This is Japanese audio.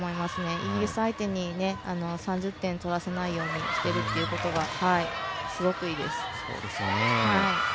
イギリス相手に３０点取らせないようにしているということがすごくいいです。